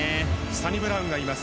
サニブラウンがいます。